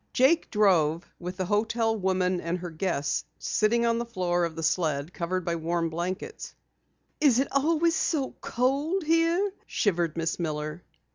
Jake drove, with the hotel woman and her guests sitting on the floor of the sled, covered by warm blankets. "Is it always so cold here?" shivered Miss Miller.